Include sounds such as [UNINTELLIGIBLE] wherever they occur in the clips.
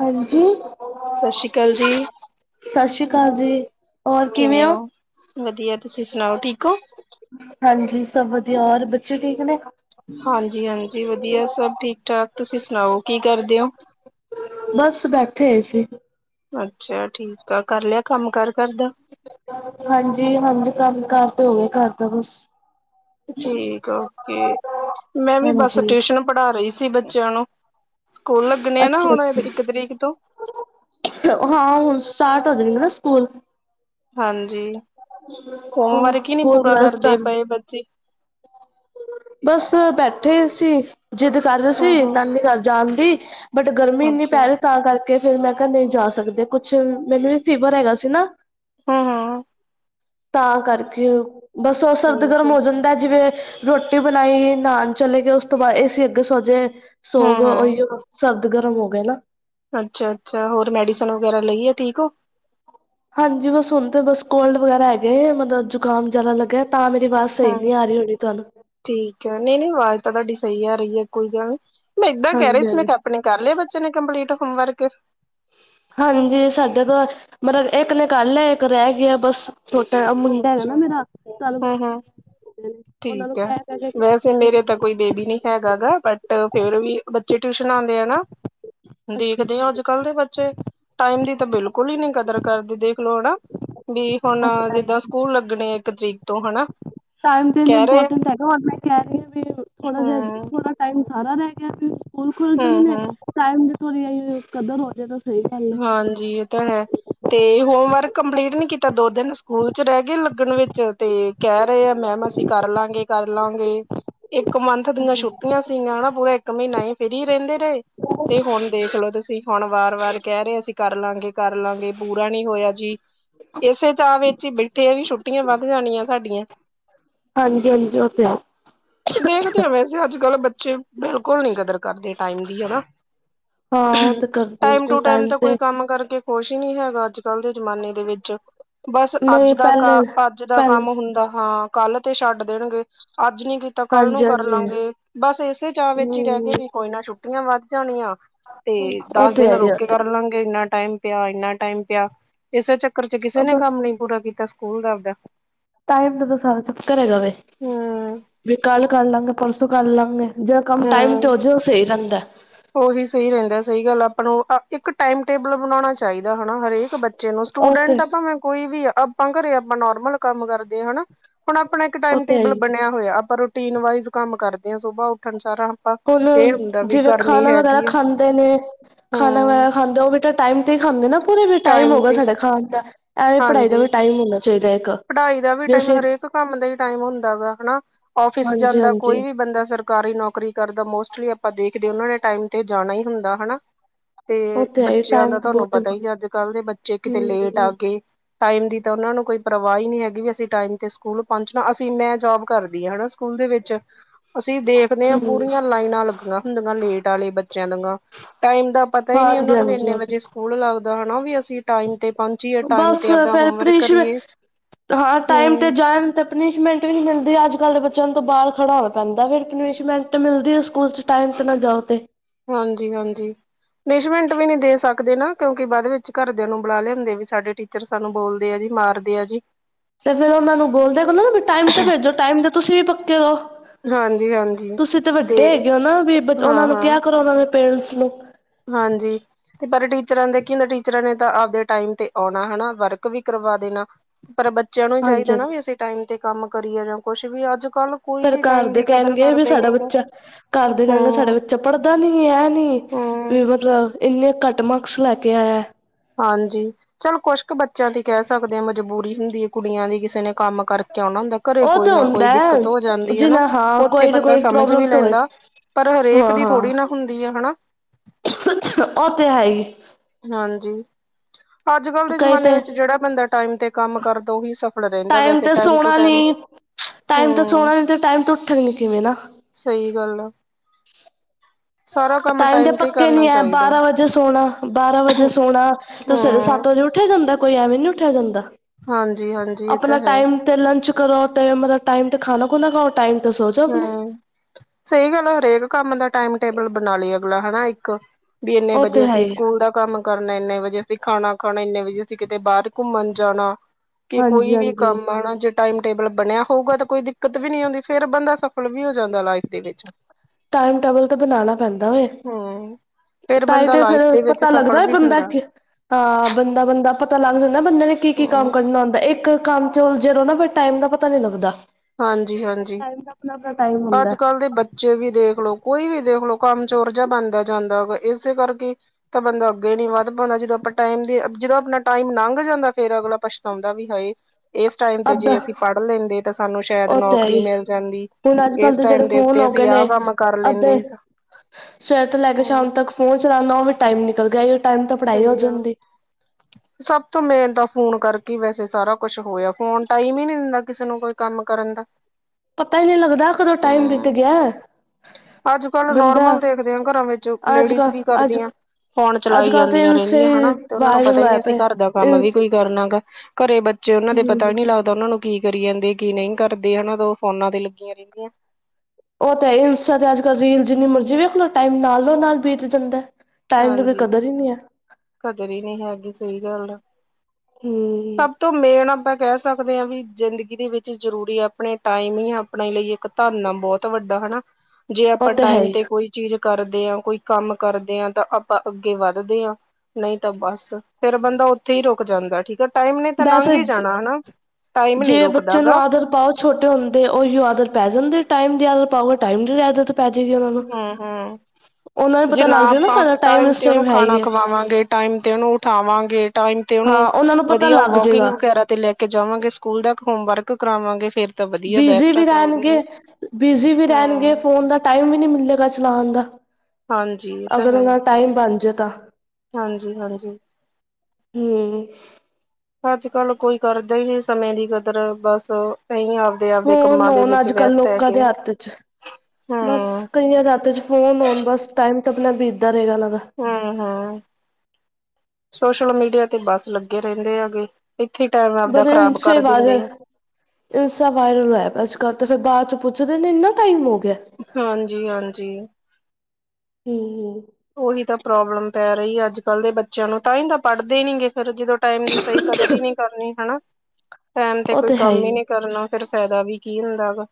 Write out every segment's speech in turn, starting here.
ਹਾਂਜੀ ਸ਼ਸ ਸ਼੍ਰੀ ਕਾਲ ਜੀ। ਸਸ ਸ੍ਰੀ ਕਾਲ ਜੀ ਹੋਰ ਕਿਵੇਂ ਓ? ਵਧੀੱਆ ਤੁਸੀਂ ਸੁਣਾਓ ਠੀਕ ਹੋ ਹਾਂਜੀ ਸਭ ਵਧੀੱਆ ਹੋਰ ਬੱਚੇ ਠੀਕ ਨੇ ਹਾਂਜੀ-ਹਾਂਜੀ ਵਧੀੱਆ ਸਭ ਠੀਕ -ਠਾਕ ਤੁਸੀਂ ਸੁਣਾਓ ਕੀ ਕਰਦੇ ਹੋ ਬਸ ਬੈਠੇ ਏ ਜੀ। ਅੱਛਾ ਠੀਕ ਆ ਕਰ ਲੇਆ ਕੰਮ ਕਰ ਕਰਦਾ ਹਾਂਜੀ-ਹਾਂਜੀ ਕੰਮ ਕਾਰ ਤੇ ਹੋਗੇ ਘਰ ਦਾ ਬਸ ਠੀਕ ਓ-ਕੇ, ਮੈਂ ਵੀ ਬਸ ਹਾਂਜੀ, ਟਿਸ਼ਨ ਪੜ੍ਹਾ ਰਹੀ ਸੀ ਬੱਚਿਆਂ ਨੂੰ ਸਕੂਲ ਲੱਗਣੇ ਹਨਾ ਅੱਛਾ ਹੁਣ ਏਦੇ ਇੱਕ ਅੱਛਾ। ਤਰੀਕ ਤੋਂ ਹਾਂ ਹੁਣ ਸਟਾਰਟ ਹੋ ਜਾਏਗਾ ਨਾ ਸਕੂਲ ਹਾਂਜੀ ਹੁਣ ਹੋਮਵਰਕ ਈ ਨਈ ਸਕੂਲ ਪੂਰਾ ਵਗੈਰਾ ਕਰਦੇ ਸਟਾਰਟ ਪਏ ਬੱਚੇ ਬਸ ਬੈਠੇ ਅ ਸੀ ਜਿੱਦ ਕਰ ਰਹੇ ਹੂੰ ਸੀ, ਹੂੰ ਨਾਨੀ ਘਰ ਜਾਣ ਦੀ, ਬਟ ਗਰਮੀ ਏਨੀ ਅੱਛਾ ਪੈ ਰਹੀ ਤਾਂ ਕਰਕੇ ਕੇ' ਫੇਰ ਮੈਂ ਕੇਆ ਨਈ ਜਾ ਸਕਦੇ, ਕੁੱਛ ਮੈਨੂੰ ਵੀ ਫੀਵਰ ਹੈਗਾ ਸੀ ਨਾ ਹਾਂ-ਹਾਂ ਤਾਂ ਕਰਕੇ ਬਸ ਓ ਸਰਦ- ਠੀਕ ਗਰਮ ਹੈ ਹੋ ਜਾਂਦੀ ਤਾ ਜਿਵੇਂ ਰੋਟੀ ਬਣਾਈ ਏ ਨਾਹਨ ਚਲੇ ਗਏ, ਉਸ ਤੋਂ ਬਾਅਦ ਏਸੀ ਅੱਗੇ ਸੋਜੇ ਹੂੰ ਸੋਗੇ ਓ, ਹੂੰ ਈ ਓ, ਸਰਦ -ਗਰਮ ਹੋ ਗਏ ਨਾ ਅੱਛਾ-ਅੱਛਾ ਹੋਰ ਮੈਡੀਸਨ ਵਗੈਰਾ ਲਈਏ ਠੀਕ ਓ। ਹਾਂਜੀ ਬਸ ਹੁਣ ਤੇ ਬਸ ਕੋਲਡ ਵਗੈਰਾ ਹੈਗੇ, ਮਤਲਬ ਜ਼ੁਕਾਮ ਜ਼ੇਆਦਾ ਲੱਗੇਆ ਤਾਂ ਮੇਰੀ ਵਾਜ ਹੂੰ ਸਹੀ ਨੀ ਆ ਰਹੀ ਹੋਣੀ ਤੁਹਾਨੂੰ ਠੀਕ ਆ ਨਈ-ਨਈ ਵਾਜ਼ ਤਾਂ ਤਾਡੀ ਸਈ ਆ ਰਹੀ ਆ, ਕੋਈ ਗੱਲ ਨਈ ਮੈਂ ਏਦਾ ਕੈ ਰਹੀ ਹਾਂਜੀ ਸੀ, ਮੈਂ ਹਾਂਜੀ ਕੇਆ ਆਪਣੇ ਕਰ ਲਏ ਬੱਚੇ ਨੇ ਕੰਪਲੀਟ ਹੋਮਵਰਕ ਹਾਂਜੀ ਸਾਡੇ ਤਾ ਮਤਲਬ ਇੱਕ ਨੇ ਕਰ ਲਏ ਇੱਕ ਰੈਹ ਗੇਆ ਬਸ। ਛੋਟਾ ਮੁੰਡਾ ਹੈਗਾ ਨਾ ਅੱਛਾ ਮੇਰਾ ਕੱਲ ਹਮ ਹਮ ਠੀਕ ਆ, ਵੈਸੇ ਮੇਰੇ ਤਾਂ ਕੋਈ ਬੇਬੀ ਨਈ ਹੈਗਾ ਗ ਬਟ ਫੇਰ ਵੀ ਬੱਚੇ ਟਿਊਸ਼ਨੋ ਆਉਂਦੇ ਹਨਾ ਦੇਖਦੇ ਆ, ਓ ਚ ਅੱਜ ਅੱਛਾ -ਕੱਲ ਦੇ ਬੱਚੇ ਟਾਈਮ ਦੀ ਤਾਂ ਬਿਲਕੁਲ ਈ ਨੀ ਕਦਰ ਕਰਦੇ ਦੇਖਲੋ ਹਨਾ ਵੀ, ਹੁਣ ਅੱਛਾ ਜਿੱਦਾਂ ਸਕੂਲ ਲੱਗਣੇ ਇੱਕ ਤਰੀਕ ਤੋਂ ਹਨਾ, ਟਾਇਮ ਤੇ ਕਹਿ ਰਹੇ ਇੰਮਪੋਟੇਟ ਹੈਗਾ, ਹੋਰ ਮੈ ਕੇਹ ਰਈ ਆ ਵੀ ਥੋੜਾ ਜੇਹਾ, ਹਮ ਥੋੜਾ ਟਾਈਮ ਸਾਰਾ ਰੈਹ ਗੇਆ ਫਿਰ, ਸਕੂਲ ਖੁੱਲ ਜਾਣੇ ਹਮ ਨੇ, ਹਮ ਟਾਈਮ ਦੀ ਥੋੜੀ ਜੇਈ ਕਦਰ ਹੋ ਜਾਏ ਤਾਂ ਸਈ ਗਲ ਆ, ਹਾਂਜੀ ਏ ਤਾਂ ਹੈ, ਤੇ ਹੋਮ ਵਰਕ ਕੰਪਲੀਟ ਨੀ ਕੀਤਾ, ਦੋ ਦਿਨ ਸਕੂਲ ਚ ਰੈ ਗਏ ਲੱਗਣ ਵਿੱਚ ਤੇ, ਕੈਹ ਰਹੇ ਆ, ਮੈਮ ਅਸੀਂ ਕਰਲਾਗੇ- ਕਰਲਾਗੇ, ਇੱਕ ਮੰਥ ਦੀਆਂ ਛੁੱਟੀਆਂ ਸੀਗੀਆਂ ਹਨਾ, ਪੂਰਾ ਇੱਕ ਮਹੀਨਾ ਏ, ਫਰੀ ਰੈਦੇ ਰਏ ਤੇ ਹੁਣ ਦੇਖਲੋ ਤੁਸੀਂ ਹੁਣ ਵਾਰ -ਵਾਰ, ਕਹਿ ਰਹੇ ਅਸੀਂ ਕਰ -ਲਾਂਗੇ -ਕਰ -ਲਾਂਗੇ ਪੂਰਾ ਨੀ ਹੋਇਆ ਜੀ, ਏਸੇ ਚਾਅ ਵਿੱਚ ਚ ਬੈਠੇ ਆ ਜੀ, ਛੁੱਟੀਆਂ ਵੱਧ ਜਾਣੀਆਂ ਸਾਡੀਆਂ ਹਾਂਜੀ -ਹਾਂਜੀ ਓ ਤੇ ਹੈ। ਦੇਖਦੇ ਹੋ ਵੈਸੇ ਅੱਜ- ਕੱਲ ਬੱਚੇ ਬਿਲਕੁਲ ਨੀ ਕਦਰ ਕਰਦੇ ਟਾਈਮ ਦੀ ਹਨਾ ਹਾਂ ਉਹ ਤੇ ਕਰਦੇ ਟਾਈਮ- ਨੇ ਟੂ, ਟਾਈਮ ਤਾਂ ਤੇ ਕੋਈ ਕੰਮ ਕਰਕੇ ਖੁਸ਼ ਈ ਨਈ ਹੈਗਾ, ਅੱਜ -ਕੱਲ੍ਹ ਦੇ ਜ਼ਮਾਨੇ ਦੇ ਵਿੱਚ, ਬਸ ਅੱਜ ਨਹੀਂ ਦਾ ਕ ਪਹਿਲੇ ਕੰਮ ਅੱਜ ਦਾ ਪਹਿਲੇ ਕੰਮ ਹੁੰਦਾ ਹਾਂ ਕੱਲ ਤੇ ਛੱਡ ਦੇਣਗੇ ਅੱਜ ਨੀ ਤਾਂ ਕਾਲ੍ਹ ਨੂੰ ਹਾਂਜੀ ਕਰ ਹਾਂਜੀ ਲਾਗੇ, ਬਸ ਏਸੇ ਚਾਅ ਵਿੱਚ ਈ ਰੈ ਗਏ ਹਮ ਵੀ ਕੋਈ ਨਾ ਛੁੱਟੀਆਂ ਵੱਧ ਜਾਣੀਆਂ, ਤੇ ਉਹ ਦਸ ਤੇ ਦਿਨ ਹੈ ਹੀ ਰੋਕ ਉਹ ਤੇ ਕਰ ਲਾਂਗੇ ਏਨਾ ਟਾਈਮ ਪੇਆ, ਏਨਾ ਟਾਈਮ ਪੇਆ, ਏਸੇ ਚੱਕਰ ਚ ਕਿਸੇ ਨੇ ਬਸ ਕੰਮ ਨੀ, ਪੂਰਾ ਕੀਤਾ ਸਕੂਲ ਦਾ ਆਪਦਾ ਟਾਈਮ ਦਾ ਤਾਂ ਸਾਰਾ ਚਕਰ ਹੈਗਾ ਵੇ ਹਮ ਵੀ ਕੱਲ ਕਰ ਲਾਂਗੇ ਪਰਸੋਂ ਕਰ ਲਾਂਗੇ ਜੇੜਾ ਕੰਮ ਟਾਈਮ ਤੇ ਹਮ ਹੋ ਜਾੇ ਉਹ ਸਹੀ ਰੈਂਦਾ ਉਹੀ ਸਹੀ ਰੈਂਦਾ ਸਹੀ ਗੱਲ ਆਪਾਂ ਨੂੰ ਇੱਕ ਟਾਈਮ ਟੇਬਲ ਬਣਾਣਾ ਚਾਹੀਦਾ ਹਨਾ ਹਰੇਕ ਬੇ ਬੱਚੇ ਨੂੰ ਉਹ ਤੇ ਸਟੂਡੈਂਟ ਭਾਵੇਂ ਕੋਈ ਵੀ ਆ ਆਪਾਂ ਘਰੇ ਆਪਾਂ ਨੋਰਮਲ ਕੰਮ ਕਰਦੇ ਹਾਂ ਹਨਾ ਹੁਣ ਆਪਣੇ ਉਹ ਟਾਈਮ ਤੇ ਹੈ ਟੇਬਲ ਹੀ ਬਣਿਆ ਹੋਇਆ ਆਪਾਂ ਰੂਟੀਨ ਵਾਈਜ਼ ਕੰਮ ਕਰਦੇ ਹਾਂ ਸੁਬਾਹ ਉੱਠਣ ਸਾਰਾ ਆਪਾਂ ਹੁਣ ਇਹ ਹੁੰਦਾ ਵੀ ਜਿਵੇਂ ਗਰਮੀ ਖਾਣਾ ਵਗੈਰਾ ਹੈਗੀ ਆ ਖਾਂਦੇ ਨੇ ਖਾਣਾ ਹਮ ਵਗੈਰਾ ਖਾਂਦਾ ਉਹ ਵੀ ਤਾਂ ਟਾਈਮ ਤੇ ਹੀ ਖਾਂਦੇ ਨਾ ਪੂਰੇ ਵੀ ਟਾਈਮ ਹੋਗਿਆ ਸਾਡਾ ਖਾਣ ਦਾ ਐਵੇਂ ਪੜ੍ਹਾਈ ਦਾ ਹਾਂਜੀ ਵੀ ਟਾਈਮ ਹੋਣਾ ਚਦਾ ਇੱਕ ਪੜ੍ਹਾਈ ਦਾ ਵੀ ਟਾਈਮ ਹਰੇਕ ਕੰਮ ਦਾ ਹੀ ਟਾਈਮ ਹੁੰਦਾ ਗਾ ਹਨਾ ਆਫਿਸ ਹਾਂਜੀ ਜਾਂਦਾ ਹਾਂਜੀ ਕੋਈ ਵੀ ਬੰਦਾ ਸਰ ਸਰਕਾਰੀ ਨੌਕਰੀ ਕਰਦਾ ਮੋਸਟਲੀ ਆਪਾਂ ਦੇਖਦੇ ਉਹਨਾਂ ਨੇ ਟਾਈਮ ਤੇ ਜਾਣਾ ਹੀ ਹੁੰਦਾ ਹਨਾ ਉਹ ਤੇ ਹੈ ਹੀ, ਬੱਚਿਆਂ ਦਾ ਟਾਈਮ ਤਾਂ ਤੁਹਾਨੂੰ ਬਹੁਤ ਹਮ ਪਤਾ ਹੀ ਹੈ ਅੱਜ ਕੱਲ੍ਹ ਦੇ ਬੱਚੇ ਕਿਤੇ ਲੇਟ ਆ ਗਏ ਟਾਈਮ ਦੀ ਤਾਂ ਉਹਨਾਂ ਨੂੰ ਕੋਈ ਪਰਵਾਹੀ ਨਹੀਂ ਹੈਗੀ ਵੀ ਅਸੀਂ ਟਾਈਮ ਤੇ ਸਕੂਲ ਪੋਂਚਣਾ ਅਸੀਂ ਮੈਂ ਜੋਬ ਕਰਦੀ ਆ ਸਕੂਲ ਦੇ ਵਿੱਚ ਅਸੀਂ ਦੇਖਦੇ ਹਾਂ ਹਮ ਪੂਰੀਆਂ ਲਾਈਨਾਂ ਲੱਗੀਆਂ ਹੁੰਦੀਆਂ ਲੇਟ ਵਾਲੇ ਬੱਚਿਆਂ ਦ ਟਾਈਮ ਦਾ ਪਤਾ ਹੀ ਨੀ ਹਾਂਜੀ ਉਹਨਾ ਨੂੰ ਵੀ ਹਾਂਜੀ ਇੰਨੇ ਵਜੇ ਸਕੂਲ ਲੱਗਦਾ ਹੈਾ ਵੀ ਅਸੀਂ ਟਾਈਮ ਤੇ ਪੋਂਚ ਟਾਈਮ ਬਸ ਤੇ ਆਪ ਫਿਰ ਹੋਮਵਰਕ ਪਨਿਸ਼ਮੈਂ ਕਰੀਏ ਹਾਂ ਟਾਈਮ ਤੇ ਹਮ ਜਾਣ ਤੇ ਪਨੀਸ਼ਮੈਂਟ ਵੀ ਨਹੀਂ ਮਿਲਦੀ ਅੱਜ ਕੱਲ੍ਹ ਦੇ ਬੱਚਿਆਂ ਨੂੰ ਤੋਂ ਬਾਰ ਖੜ੍ਹਾ ਹੋਣਾ ਪੈਂਦਾ ਫਿਰ ਪ ਪੁਨਿਸ਼ਮੈਂਟ ਤੇਮਿਲਦੀ ਹੈ ਸਕੂਲ 'ਚ ਟਾਈਮ ਚ ਨਾ ਜਾਓਤੇ ਹਾਂਜੀ ਹਾਂਜੀ ਪਨਿਸ਼ਮੈਂਟ ਵੀ ਨੀ ਦੇ ਸਕਦੇ ਨਾ ਕਿਉਂਕਿ ਬਾਦ ਵਿੱਚ ਘਰਦਿਆਂ ਨੂੰ ਬੁਲਾ ਲਿਆ ਦੇਣ ਵੀ ਸਾਡੇ ਚ ਰ ਸਾਨੂੰ ਬੋਲਦੇ ਆ ਜੀ ਮਾਰਦੇ ਆ ਜੀ ਤੇ ਫਿਰ ਉਹਨਾ ਨੂੰ ਬੋਲਦੇ ਹਦੇ ਟਾਈਮ ਤੇ ਭੇਜੋ ਟਾਈਮ ਤੇ ਤੁਸੀਂ ਵੀ ਪੱਕੇ ਰਹੋ ਹਾਂਜੀ ਹਾਂਜੀ ਤੁਸੀਂ ਤੇ ਵੱਡੇ ਹੈਗੇ ਹੋ ਨਾ ਵੀ ਉਹਨਾ ਨੂੰ ਹਾਂ-ਹਾਂ, ਕਿਆ ਕਰੋ ਉਹਨਾਂ ਦੇ ਪੇਰੈਂਟਸ ਨੂੰ ਹਾਂਜੀ ਤੇ ਪਰ ਟੀਚਰਾਂ ਦੇ ਕੀ ਹਦੇ ਟੀਚਰਾਂ ਨੇ ਤਾਂ ਆਪਦੇ ਟਾਈਮ ਤੇ ਆਉਣਾ ਹਨਾ ਵਰਕ ਵੀ ਕਰਵਾ ਦੇਣਾ ਪਰ ਬੱਚਿਆਂ ਨੂੰ ਹੀ ਹਾਂਜੀ ਚਾਈਦਾ ਨਾ ਹਾਂਜੀ ਵੀ ਅਸੀਂ ਟਾਈਮ ਤੇ ਕੰਮ ਕਰੀਏ ਜਾਂ ਕੁਛ ਵੀ ਅੱਜ ਕੱਲ। ਪਰ ਘਰ ਦੇ ਕੈਣਗੇ ਵੀ ਸਾਡਾ ਬੱਚਾ। ਘਰ ਦੇ ਕੈਣਗੇ ਸਾਡਾ ਹੂੰ-ਹੂੰ, ਬੱਚਾ ਪੜ੍ਹਦਾ ਨੀ ਇਹ ਨੀ ਵੀ ਮਤ। ਮਤਲਬ ਇੰਨੇ ਘੱਟ ਮਾਕਸ ਲੈ ਕੇ ਆਇਆ ਹੈ। ਹਾਂਜੀ। ਚਲ ਕੁਛ ਕੁ ਬੱਚਿਆਂ ਦੀ ਕਹਿ ਸਕਦੇ ਹਾਂ ਮਜਬੂਰੀ ਹੁੰਦੀ ਹੈ। ਕੁੜੀਆਂ ਦੀ ਕਿਸੇ ਨੇ ਕੰਮ ਕਰਕੇ ਆਣਾ ਹੁੰਦਾ। ਘਰੇ ਉਹ ਕੋਈ ਤਾਂ ਨਾ ਕੋਈ ਹੁੰਦਾ ਦਿੱਕਤ ਹੋ। ਜਾਂਦੀ ਜੀ ਹਨਾ ਨਾ ਹਾਂ ਉੱਥੇ ਕੋਈ ਨਾ ਬੰਦਾ ਕੋਈ ਸਮਝ ਵੀ ਪ੍ਰੋਬਲਮ ਤਾਂ ਹੋਏ ਲੈਂਦਾ। ਪਰ ਹਰੇਕ ਹਾਂ ਦੀ ਥੋੜ੍ਹੀ ਨਾ ਹੁੰਦੀ ਆ ਹਨਾ। ਸਚਣ ਉਹ ਤੇ ਹੈ ਹੀ। ਹਾਂਜੀ। ਅੱਜ ਕੱਲ੍ਹ ਦੇ ਕਈ ਜਮਾਨੇ ਤੇ ਵਿੱਚ ਜੇੜਾ ਬੰਦਾ ਟਾਈਮ ਤੇ ਕੰਮ ਕਰਦਾ ਉਹੀ ਸਫਲ ਰੈਂਦਾ ਵੈਸੇ ਤੇ ਟਾਈਮ ਟੁ ਸੋਣਾ ਟਾਈਮ। ਨੀ ਟਾਈਮ ਤਾਂ ਹੂੰ ਸੋਣਾ ਨੀ ਤੇ ਟਾਈਮ ਉੱਠਣ ਗੇ ਕਿਵੇਂ ਨਾ। ਸਹੀ ਗੱਲ ਆ। ਸਾਰਾ ਕੰਮ ਟਾਈਮ ਤੇ ਹੀ ਪੱਕੇ ਨੀ ਕਰਨਾ ਹੈ ਚਾਹੀਦਾ ਬਾਰਾਂ ਵਜੇ ਸੋਣਾ ਬਾਰਾਂ ਵਜੇ ਸੋਣਾ ਤੇ ਸਵੇਰੇ ਹੂੰ ਸੱਤ ਵਜੇ ਉੱਠੇ। ਜਾਂਦਾ ਕੋਈ ਐਵੇਂ ਨੀ ਉੱਠਿਆ ਜਾਂਦਾ ਹਾਂਜੀ ਹਾਂਜੀ ਇਹ ਤਾਂ ਆਪਣਾ ਹੈ ਟਾਈਮ। ਅਤੇ ਲੰਚ ਕਰੋ ਅਤੇ ਮਤਲਬ ਟਾਈਮਤੇ ਖਾਣਾ ਖੂਣਾ ਗਾਾਓ। ਟਾਈਮ ਤਾਂ ਸੋ ਜਾਓ। ਆਪਣੇ। ਹਮ ਸਹੀ ਗੱਲ ਹਰੇਕ ਕੰਮ ਦਾ ਟਾਈਮ ਟੇਬਲ ਬਣਾ ਲਈ ਅਗਲਾ ਹਨਾ ਇੱਕ। ਵੀ ਇੰਨੇ ਉਹ ਵਦੀਆ ਤੇ ਹੈ ਅਸੀਂ ਈ ਸਕੂਲ ਦਾ ਕੰਮ ਕਰਨਾ ਏਨੇ ਵਜੇ ਅਸੀਂ ਖਾਨਾ ਖਾਨੈ ਏਨੇ ਵਜੇ ਅਸੀਂ ਕਿਤੇ ਬਾਰ ਘੁੰਮਨ ਜਾਨਾ। ਕੇ ਹਾਂਜੀ ਕੋਈ ਵੀ ਹਾਂਜੀ ਕੰਮ ਐ ਹਨਾ ਜੇ ਟਾਈਮ ਟੇਬਲ ਬਨੇਆ ਹੋਊਗਾ ਤਾਂ ਕੋਈ ਦਿੱਕਤ ਵੀ ਨਈ ਔਂਦੀ ਫੇਰ ਬੰਦਾ ਸਫਲ ਵੀ ਹੋ ਜਾਂਦਾ ਲਾਈਫ ਦੇ ਵਿੱਚ। ਟਾਈਮ ਟੇਬਲ ਤੇ ਬਨਾਨਾ ਪੈਂਦਾ ਏ। ਹੂੰ ਫੇਰ ਤਾਂਈ ਬੰਦਾ ਤੇ ਫੇਰ ਲਾਈਫ ਦੇ ਵਿੱਚ ਪਤਾ ਸਫਲ ਲੱਗਦਾ ਐ ਵੀ ਬੰਦਾ ਹੁੰਦਾ। ਅੱਗੇ ਹਾਂ ਬੰਦਾ-ਬੰਦਾ ਪਤਾ ਲੱਗ ਜਾਂਦਾ ਬੰਦੇ ਨੇ ਕੀ-ਕੀ ਕੰਮ ਕੱਢਣਾ ਹੁੰਦਾ ਇੱਕ ਕੰਮ ਚ ਉਲਜੇ ਰਓ ਨਾ ਫਿਰ ਟਾਈਮ ਦਾ ਪਤਾ ਪਤਾ ਨੀ ਲੱਗਦਾ। ਹਾਂਜੀ-ਹਾਂਜੀ, ਟਾਈਮ ਦਾ ਆਪਣਾ ਆਪਣਾ ਟਾਈਮ ਹੁੰਦਾ। ਅੱਜ ਕੱਲ ਦੇ ਬੱ ਬੱਚੇ ਵੀ ਦੇਖ ਲੋ ਕੋਈ ਵੀ ਦੇਖਲੋ ਕੰਮ ਚੋਰ ਜਾ ਬਨਦਾ ਜਾਂਦਾ ਹੈਗਾ ਏਸੇ ਕਰਕੇ ਤਾਂ ਬੰਦਾ ਅੱਗੇ ਨੀ ਵੱਧ ਪਾਂਦਾ ਜਦੋਂ ਆਪਾਂ ਟਾਈਮ ਦੀ ਜਦੋਂ ਆਪਨਾ ਟਾਈਮ ਨੰਘ ਜਾਂਦਾ ਫੇਰ ਅਗਲਾ ਪਛਤੌਂਦਾ ਵੀ ਹਾਏ ਏਸ ਟਾਈਮ ਤੇ ਜੇ ਅੱਧਾ ਅਸੀਂ ਪੜ੍ਹ ਲੈਂਦੇ ਤਾਂ ਸਾਨੂੰ ਸ਼ੈਦ ਉਹ ਤੇ ਹੈ ਨੌਕਰੀ ਈ ਮਿਲ ਜਾਂਦੀ ਹੁਣ ਅੱਜ ਕੱਲ੍ਹ ਏਸ ਜਿਹੜੇ ਟਾਈਮ ਦੇ ਫੋਨ ਉੱਤੇ ਹੋ ਅਸੀਂ ਗਏ ਆਹ ਨੇ ਕੰਮ ਕਰ ਅਤੇ ਲੈਂਦੇ। ਸਵੇਰ ਤੋਂ ਲੈ ਕੇ ਸ਼ਾਮ ਤੱਕ ਫੋਨ ਚਲਾਨਾ ਵਾ ਓ ਟਾਈਮ ਨਿਕਲ ਗੇਆ ਓਹੋ ਜੇ ਟਾਈਮ ਤਾਂ ਪੜ੍ਹਾਈ ਹੋ ਸਹੀ ਗੱਲ ਜਾਂਦੀ। ਸਭ ਤੋਂ ਮੇਨ ਤਾਂ ਫੋਨ ਕਰਕੇ ਵੈਸੇ ਸਾਰਾ ਕੁਛ ਹੋਏਆ ਫੋਨ ਟਾਈਮ ਈ ਨੀ ਦਿੰਦਾ ਕਿਸੇ ਨੂੰ ਕੋਈ ਕੰਮ ਕਰਨ ਦਾ। ਪਤਾ ਈ ਨੀ ਲੱਗਦਾ ਕਦੋਂ ਟਾਈਮ ਬੀਤ ਗੇਆ। ਅੱਜ-ਕੱਲ ਨੋਰਮਲ ਦੇਖਦੇ ਆਂ ਘਰਾਂ ਵਿੱਚ ਅੱਜ ਲੇਡੀਜ਼ ਕੱਲ ਕੀ ਅੱਜ ਕਰਦੀਆਂ ਫੋਨ ਚ ਅੱਜ ਚਲਾਈ ਕੱਲ੍ਹ ਤਾਂ ਜਾਂਦੀਆਂ ਇੰਸਟਾ ਰੈਂਦੀਆਂ ਹੀ ਹਨਾ ਤੇ ਓਨਾਂ ਨੂੰ ਪਤਾ ਵਾਇਰਲ ਈ ਹੋਇਆ ਨਈ ਅਸੀਂ ਪਏ ਘਰ ਦਾ ਕੰਮ ਵੀ ਇੰਸ ਕੋਈ ਕਰਨਾ ਗਾ ਘਰੇ ਬੱਚੇ ਓਨਾਂ ਦੇ ਪਤਾ ਹਮ ਵੀ ਨੀ ਲੱਗਦ ਦਾ ਓਨਾਂ ਨੂੰ ਕੀ ਕਰੀ ਜਾਂਦੇ ਕੀ ਨਈ ਕਰਦੇ ਆ ਹਨਾ ਤਾਂ ਓ ਫੋਨਾ ਤੇ ਲੱਗੀਆਂ ਰੈਂਦੀਆਂ। ਓ ਤਾਂ ਇੰਸਟਾ ਤੇ ਅੱਜ-ਕੱਲ ਰੀਲ ਜਿੰਨੀ ਮਰਜ਼ੀ ਵੇਖ ਲੋ ਟਾਈਮ ਨਾਲੋਂ ਨਾਲ ਬੀਤ ਜਾਂਦਾ ਐ। ਹਾਂਜੀ, ਕਦਰ ਈ ਨਈ ਹੈਗੀ ਸਈ ਗੱਲ ਐ। ਤੇ ਤੋ ਮੇਨ ਆਪਾਂ ਕੈ ਸਕਦੇ ਆਂ ਵੀ ਜ਼ਿੰਦਗੀ ਦੇ ਵਿੱਚ ਜ਼ਰੂਰੀ ਆਪਨੇ ਟਾਈਮ ਈ ਆਪਨੇ ਲਈ ਇੱਕ ਧੰਨ ਐ। ਬਹੁਤ ਵੱਡਾ ਹਨਾ ਜੇ ਆਪਾਂ ਉਹ ਹੈ ਟਾਈਮ ਹੀ ਤੇ ਕੋਈ ਚੀਜ਼ ਕਰਦੇ ਆਂ ਕੋਈ ਕੰਮ ਕਰਦੇ ਆਂ ਤਾਂ ਆਪਾਂ ਅੱਗੇ ਵੱਧਦੇ ਆਂ, ਨਈਂ ਤਾਂ ਬਸ ਫੇਰ ਬੰਦਾ ਓਥੇ ਈ ਰੁਕ ਜਾਂਦਾ ਠੀਕ ਆ। ਟਾਈਮ ਨੇ ਤਾਂ ਲੰਘ ਵੈਸੇ, ਹੀ ਜਾਣਾ ਹਨਾ ਟਾਈਮ ਨੀ ਜੇ ਰੁਕਦਾ ਬੱਚਿਆਂ ਨੂੰ ਗਾ ਆਦਤ ਪਾਓ ਛੋਟੇ ਹੁੰਦੇ ਓ ਜੋ ਆਦਤ ਪੈ ਜਾਂਦੀ ਟਾਈਮ ਦੀ ਆਦਤ ਪਾਓਗੇ ਟਾਈਮ ਦੀ ਆਦਤ ਪੈਜੇਗੀ ਓਨਾਂ ਹੂੰ-ਹੂੰ, ਜੇ ਨਾ ਲੱਗ ਜਾਏ ਆਪਾਂ ਸਾਡਾ ਟਾਈਮ ਇਸ ਤੇ ਓਨੂੰ ਹੈ ਹੀ ਖਾਨਾ ਹੈ ਖਵਾਵਾਂਗੇ ਟਾਈਮ ਤੇ ਓਨੂੰ ਉਠਾਵਾਂਗੇ ਟਾਈਮ ਤੇ ਓਨੂੰ ਹਾਂ ਉਹਨਾਂ ਨੂੰ ਪਤਾ ਵਦੀਆ ਲੱਗ ਵੋਕਿੰਗ ਜਾਏਗਾ ਵਗੈਰਾ ਤੇ ਲੈ ਕ ਕੇ ਜਾਵਾਂਗੇ ਸਕੂਲ ਤੱਕ ਹੋਮ ਵਰਕ ਕਰਾਵਾਂਗੇ ਫੇਰ ਤਾਂ ਵਧੀਆ ਬਿਜੀ ਬੈਸਟ ਆ ਵੀ ਚੱਲ ਉਹਦੇ ਰਹਿਨਗੇ, ਲਈ ਬਿਜੀ ਵੀ ਰਹਿਨਗੇ ਹਮ ਫੋਨ ਦਾ ਟਾਈਮ ਵੀ ਨੀ ਮਿਲੇਗਾ ਚਲਾਨ ਦਾ। ਹਾਂਜੀ ਇਹ ਤਾਂ ਅਗਰ ਹੈ ਓਹ ਨਾਲ ਟਾਈਮ ਬਨ ਜੇ ਤਾਂ ਹਾਂਜੀ ਹਾਂਜੀ ਹੂੰ ਅੱਜ-ਕੱਲ ਕੋਈ ਕਰਦਾ ਈ ਨਈ ਸਮੇਂ ਦੀ ਕਦਰ ਬਸ ਏਹੀ ਆ ਫੋਨ ਹੋਨ ਅੱਜ-ਕੱਲ ਲੋਕਾਂ ਦੇ ਹੱਥ ਚ, ਬਸ ਹਮ ਕਈਆਂ ਦੇ ਹੱਥ ਚ ਫੋਨ ਹੋਨ ਬਸ ਟਾਈਮ ਤਾਂ ਆਪਨਾ ਬੀਤਦਾ ਰਹੇਗਾ ਓਨਾਂ ਦਾ। ਹੂੰ-ਹੂੰ, ਸੋਸ਼ਲ ਮੀਡੀਆ ਤੇ ਬਸ ਲੱਗੇ ਰੈਂਦੇ ਹੈਗੇ। ਏਥੀ ਟਾਈਮ ਆਪਦਾ ਬਸ ਖ਼ਰਾਬ ਇਸੇ ਕਰ ਦਿੰਦੇ ਆਵਾਜ਼ ਐ। ਇੰਸਟਾ ਵਾਇਰਲ ਹੋਏਆ ਪਿਐ ਅੱਜ-ਕੱਲ ਤੇ ਫਿਰ ਬਾਦ ਚ ਪੁੱਛਦੇ ਨੇ ਇੰਨਾ ਟਾਈਮ ਹੋ ਗੇਆ। ਹਾਂਜੀ-ਹਾਂਜੀ। ਹੂੰ-ਹੂੰ। ਓਹੀ ਤਾਂ ਪ੍ਰੋਬਲਮ ਪੈ ਰਈ ਐ ਅੱਜ-ਕੱਲ ਦੇ ਬੱਚਿਆਂ ਨੂੰ ਤਾਂਹੀ ਤਾਂ ਪੜ੍ਹਦੇ ਨੀ ਗੇ ਫੇਰ ਜਦੋਂ ਟਾਈਮ ਦੀ ਸਹੀ ਕਦਰ ਹੀ ਨੀ ਕਰਨੀ ਹੈਨਾ ਟਾਈਮ ਤੇ ਕੋਈ ਕੰਮ ਹੀ ਨੀ ਕਰਨਾ ਫੇਰ ਫਾਇਦਾ ਵੀ ਕੀ ਹੁੰਦਾ ਵਾ।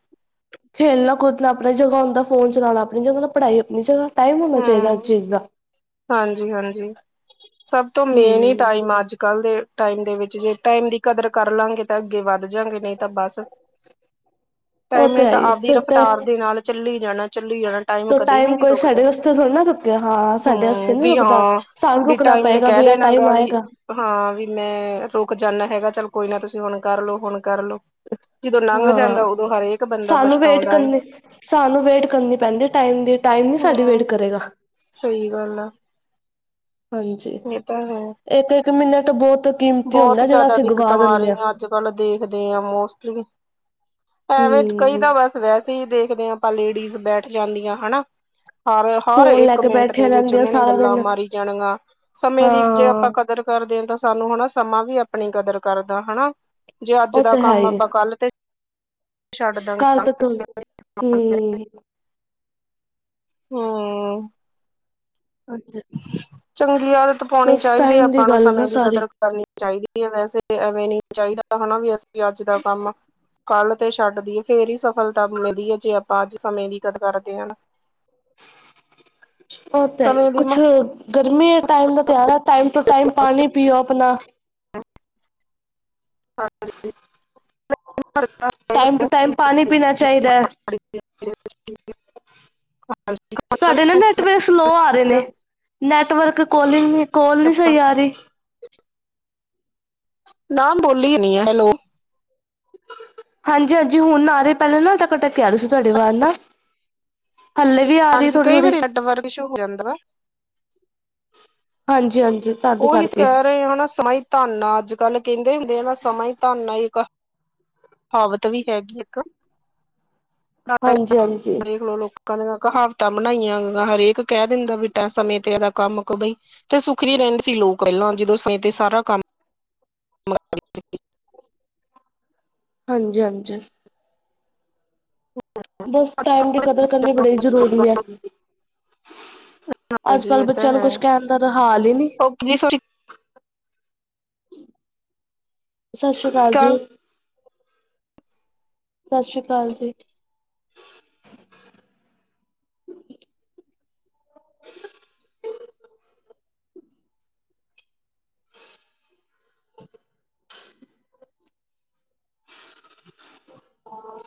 ਖੇਲਣਾ ਕੁਦਣਾ ਆਪਣੀ ਜਗ੍ਹਾ ਹੁੰਦਾ ਫੋਨ ਚਲਾਉਣਾ ਆਪਣੀ ਜਗਾ ਪੜ੍ਹਾਈ ਆਪਣੀ ਜਗ੍ਹਾ ਟਾਈਮ ਹੋਣਾ ਚਾਹੀਦਾ ਹਰ ਹਮ ਚੀਜ਼ ਦਾ ਹਾਂਜੀ ਹਾਂਜੀ ਸਭ ਤੋਂ ਮੇਨ ਹੀ ਹੂੰ ਟਾਈਮ ਆ ਅੱਜ ਕੱਲ ਦੇ ਟਾਈਮ ਦੇ ਵਿੱਚ ਜੇ ਟਾਈਮ ਦੀ ਕਦਰ ਕਰ ਲਾਂਗੇ ਤਾਂ ਅੱਗੇ ਵੱਧ ਜਾਂਗੇ ਨਹੀਂ ਤਾਂ ਬਸ ਉਹ ਟਾਈਮ ਤੇ ਨੇ ਹੈ ਤਾਂ ਹੀ ਆਪਦੀ ਫਿਰ ਤੇ ਰਫਤਾਰ ਦੇ ਨਾਲ ਚੱਲੀ ਜਾਣਾ ਚੱਲੀ ਜਾਣਾ ਟਾਈਮ ਤੋ ਕਦੇ ਵੀ ਨੀ ਕੋਈ ਰੁਕਦਾ ਸਾਡੇ ਵਾਸਤੇ ਥੋੜ੍ਹੀ ਨਾ ਰੁਕਿਆ ਹਾਂ ਸਾਡੇ ਵਾਸਤੇ ਹਮ ਨੀ ਵੀ ਰੁਕਦਾ ਹਾਂ ਸਾਨੂੰ ਵੀ ਰੁਕਣਾ ਟਾਈਮ ਨੇ ਪਏਗਾ ਕਹਿ ਵੀ ਆਹ ਦੇਣਾ ਟਾਈਮ ਗਾ ਵੀ ਆਏਗਾ ਹਾਂ ਵੀ ਮੈਂ ਰੁਕ ਜਾਂਦਾ ਹੈਗਾ ਚੱਲ ਕੋਈ ਨਾ ਤੁਸੀਂ ਹੁਣ ਕਰਲੋ ਹੁਣ ਕਰ ਲੋ ਜਦੋਂ ਲੰਘ ਜਾਂਦਾ ਹਾਂ ਉਦੋਂ ਹਰ ਸਾਨੂੰ ਵੇਟ ਕਰਨੀ ਸਾਨੂੰ ਵੇਟ ਕਰਨੀ ਪੈਂਦੀ ਟਾਈਮ ਦੀ ਟਾਈਮ ਨੀ ਸਾਡੀ ਵੇਟ ਹਮ ਕਰੇਗਾ ਸਹੀ ਗੱਲ ਆ ਹਾਂਜੀ ਇਹ ਤਾਂ ਹੈ ਇੱਕ ਇੱਕ ਮਿੰਨਟ ਬਹੁਤ ਕੀਮਤੀ ਬਹੁਤ ਹੁੰਦਾ ਜਿਹੜਾ ਜਿਆਦਾ ਅਸੀਂ ਦਿੱਕਤਾਂ ਗਵਾ ਆ ਦਿੰਦੇ ਹਾਂ। ਰਹੀਆਂ ਅੱਜ ਕੱਲ੍ਹ ਦੇਖਦੇ ਆ ਮੋਸਟਲੀ ਐਵੇਂ ਕਈ ਹੂੰ, ਤਾਂ ਬਸ ਵੈਸੇ ਹੀ ਦੇਖਦੇ ਹਾਂ ਆਪਾਂ ਲੇਡੀਜ਼ ਬੈਠ ਜਾਂਦੀਆਂ ਹਨਾ ਹਰ ਹਰ ਫੋਨ ਲੈ ਇੱਕ ਕੇ ਮਿੰਟ ਦੇ ਬੈਠੇ ਵਿੱਚ ਰਹਿੰਦੇ ਆ ਉਹਨਾਂ ਨੇ ਸਾਰਾ ਗੱਲਾਂ ਦਿਨ ਮਾਰੀ ਜਾਣੀਆਂ ਸਮੇਂ ਦੀ ਜੇ ਹਾਂ, ਆਪਾਂ ਕਦਰ ਕਰਦੇ ਹਾਂ ਤਾਂ ਸਾਨੂੰ ਹਨਾ ਸਮਾਂ ਵੀ ਆਪਣੀ ਕਦਰ ਕਰਦਾ ਹਨਾ ਜੇ ਅੱਜ ਉਹ ਦਾ ਤੇ ਹੈ ਕੰਮ ਹੀ ਆਪਾਂ ਕੱਲ ਤੇ ਛੱਡਦਾਗੇ ਕੱਲ ਤਾਂ ਥੋੜੀ [UNINTELLIGIBLE] ਹੂੰ, ਹਮ ਅੱਛਾ ਅੱਛਾ ਚੰਗੀ ਆਦਤ ਪਾਉਣੀ ਬਸ ਚਾਹੀਦੀ ਹੈ ਟਾਈਮ ਦੀ ਆਪਾਂ ਨੂੰ ਗੱਲ ਨਾ ਸਮੇਂ ਦੀ ਸਾਰੀ ਕਦਰ ਕਰਨੀ ਚਾਹੀਦੀ ਹੈ ਵੈਸੇ ਐਵੇਂ ਨੀ ਚਾਹੀਦਾ ਹੈਨਾ ਵੀ ਅਸੀਂ ਅੱਜ ਦਾ ਕੰਮ ਕੱਲ੍ਹ ਤੇ ਛੱਡ ਦਈਏ ਫੇਰ ਹੀ ਸਫਲਤਾ ਮਿਲਦੀ ਹੈ ਜੇ ਆਪਾਂ ਅੱਜ ਸਮੇਂ ਦੀ ਕਦਰ ਕਰਦੇ ਹਾਂ ਨਾ ਉਹ ਤਾਂ ਹੈ ਈ ਸਮੇਂ ਦੀ ਕੁਛ ਮਹਾਨ ਗਰਮੀ ਏ ਟਾਈਮ ਦਾ ਤਿਆਰ ਹੈ ਟਾਈਮ ਟੂ ਟਾਈਮ ਪਾਣੀ ਪੀਓ ਆਪਣਾ ਹਾਂਜੀ ਟਾਈਮ ਟੂ ਟਾਈਮ ਪਾਣੀ ਪੀਣਾ ਚਾਹੀਦਾ ਹੈ। ਪੜ ਸਾਡੇ ਨਾ ਨੈਟਵਰਕ ਸਲੋਅ ਆ ਰਹੇ ਨੇ ਨੈਟਵਰਕ ਕੋਲਿੰਗ ਕੋਲ ਨੀ ਸਹੀ ਆ ਰਹੀ ਨਾ ਬੋਲੀ ਹੀ ਨਹੀਂ ਆ ਹੈਲੋ ਹਾਂਜੀ ਹਾਂਜੀ ਹੁਣ ਆ ਰਹੀ ਪਹਿਲਾਂ ਨਾ ਅਟਕ ਅਟਕ ਕੇ ਆ ਰਹੇ ਸੀ ਤੁਹਾਡੀ ਆਵਾਜ਼ ਨਾ ਹੱਲੇ ਵੀ ਆ ਰਹੀ ਹਾਂਜੀ ਥੋੜੀ ਕਈ ਥੋੜੀ ਵਾਰੀ ਨੈਟਵਰਕ ਇਸ਼ੂ ਹੋ ਜਾਂਦਾ ਵਾ। ਹਾਂਜੀ ਹਾਂਜੀ ਤਦ ਉਹੀ ਤਾਂ ਕਰਕੇ ਕਹਿ ਰਹੇ ਹਨਾ ਸਮਾਂ ਧੰਨ ਅੱਜ ਕੱਲ ਕਹਿੰਦੇ ਹੁੰਦੇ ਹਨ ਨਾ ਸਮਾਂ ਹੀ ਧਨ ਆ ਇੱਕ ਕਹਾਵਤ ਵੀ ਹੈਗੀ ਇੱਕ ਹਾਂਜੀ-ਹਾਂਜੀ, ਦੇਖਲੋ ਲੋਕ ਲੋਕਾਂ ਦੀਆਂ ਕਹਾਵਤਾਂ ਬਣਾਈਆਂ ਹਰੇਕ ਕਹਿ ਦਿੰਦਾ ਬਈ ਸਮੇਂ ਤੇ ਇਹਦਾ ਕੰਮ ਕ ਬਈ ਤੇ ਸੁੱਖ ਰਹਿੰਦੇ ਸੀ ਲੋਕ ਪਹਿਲਾਂ ਜਦੋਂ ਤੇ ਸਾਰਾ ਕੰਮ ਹਾਂਜੀ ਹਾਂਜੀ, ਬਸ ਟਾਈਮ ਦੀ ਕਦਰ ਕਰਨੀ ਬੜੀ ਜ਼ਰੂਰੀ ਹੈ। ਅੱਜ ਹਾਂਜੀ ਕੱਲ੍ਹ ਬੱਚਿਆਂ ਨੂੰ ਕੁਝ ਕਹਿਣ ਦਾ ਤਾਂ ਹਾਲ ਹੀ ਨਹੀਂ। ਕਿੰਨੀ ਸੋਹਣੀ ਸਤਿ ਸ਼੍ਰੀ ਅਕਾਲ ਜੀ। ਸਤਿ ਸ਼੍ਰੀ ਅਕਾਲ ਜੀ। [UNINTELLIGIBLE] ਹਾਂ